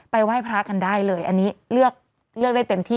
ไหว้พระกันได้เลยอันนี้เลือกได้เต็มที่